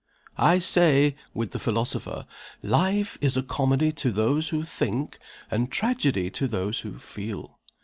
I say, with the philosopher, 'Life is a comedy to those who think, and tragedy to those who feel.